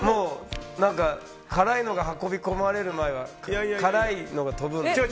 辛いのが運び込まれる前は辛いのが飛ぶので。